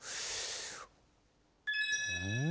うん？